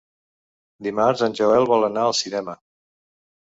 Dimarts en Joel vol anar al cinema.